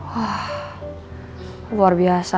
wah luar biasa